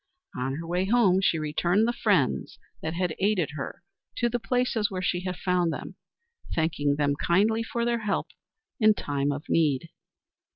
On her way home she returned the friends that had aided her to the places where she had found them, thanking them kindly for their help in time of need.